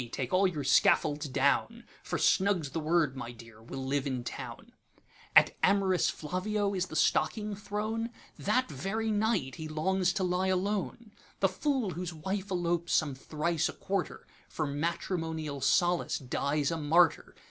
take all your scaffolds down, For snug's the word: My dear! we 'll live in town.'At am'rous Flavio is the stocking thrown? That very night he longs to lie alone. The fool whose wife elopes some thrice a quarter, For matrimonial solace dies a martyr.